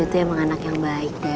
rido tuh emang anak yang baik deo